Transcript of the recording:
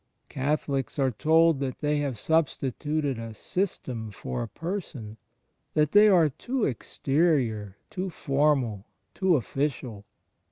Catholics are told that they have substituted a System for a Person; that they are too exterior, too formal, too official.